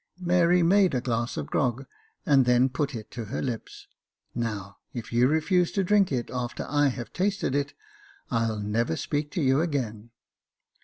Mary made a glass of grog, and then put it to her lips. "Now, if you refuse to drink it, after I have tasted it, I'll never speak to you again."